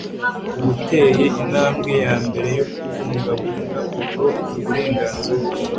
uba uteye intambwe ya mbere yo kubungabunga ubwo uburenganzira